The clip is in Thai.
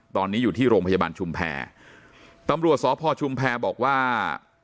ตอนนี้อยู่ที่โรงพยาบาลชุมแพรตำรวจสพชุมแพรบอกว่า